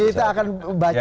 jadi kita akan baca